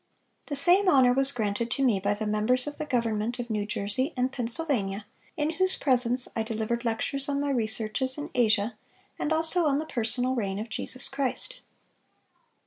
The same honor was granted to me by the members of the government of New Jersey and Pennsylvania, in whose presence I delivered lectures on my researches in Asia, and also on the personal reign of Jesus Christ."